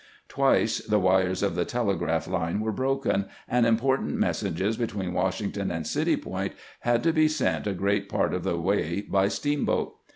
Twice the wires of the telegraph line were broken, and important messages between Washington and City Point had to be sent a great part of the way by steamboat.